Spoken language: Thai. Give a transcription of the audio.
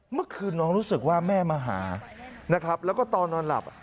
เมื่อคืนน้องรู้สึกว่าแม่มาหานะครับแล้วก็ตอนนอนหลับ